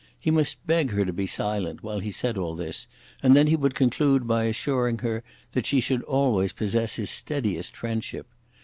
He must beg her to be silent while he said all this, and then he would conclude by assuring her that she should always possess his steadiest friendship.